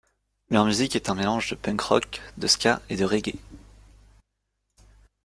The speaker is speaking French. Leur musique est un mélange de punk rock, de ska et de reggae.